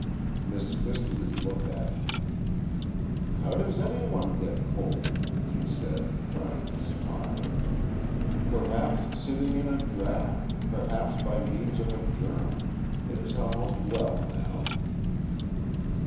Miss Mystery looked at him. "How does any one get cold?" she said, trying to smile; "perhaps sitting in a draught—perhaps by means of a germ. It is almost well now."